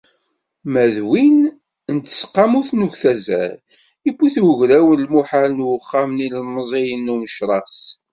Ma d win n tseqqamut n uktazal, yewwi-t ugraw Imuhal n uxxam n yilemẓiyen n Umecras.